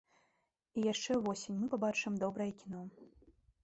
І яшчэ ўвосень мы пабачым добрае кіно.